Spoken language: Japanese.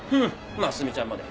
真澄ちゃんまで。